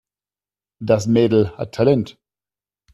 Das Mädel hat Talent.